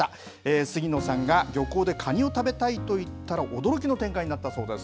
杉野さんが漁港でカニを食べたいと言ったら驚きの展開になったそうです。